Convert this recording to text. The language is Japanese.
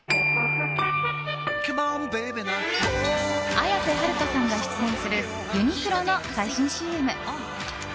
綾瀬はるかさんが出演するユニクロの最新ＣＭ。